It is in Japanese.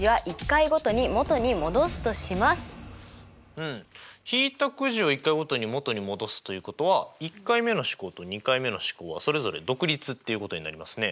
うん引いたくじを１回ごとに元に戻すということは１回目の試行と２回目の試行はそれぞれ独立っていうことになりますね。